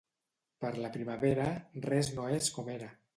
Per la primavera, res no és com era.